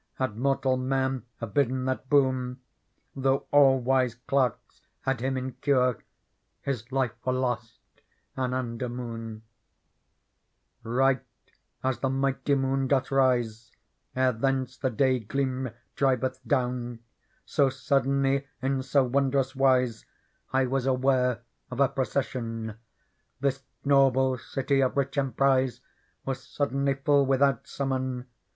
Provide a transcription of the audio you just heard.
Had mortal man abidden that boon. Though all wise clerks had^him in cure. His life were lost anunder moon. Digitized by Google PEARL 47 Right as the mighty moon doth rise Ere thence the day gleam drive th down. So suddenly^ in so wondrous wise, I was aware of a procession : This noble city of rich emprise Was suddenly fall, without summon.